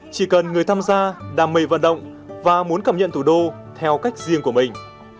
chỉ cần người tham gia đam mê vận động và muốn cảm nhận thủ đô theo cách riêng của mình